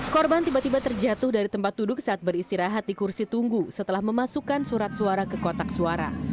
korban tiba tiba terjatuh dari tempat duduk saat beristirahat di kursi tunggu setelah memasukkan surat suara ke kotak suara